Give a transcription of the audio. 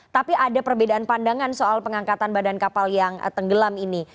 tapi ada perbedaan pandangan soal pengangkatan badan kapal yang tenggelam ini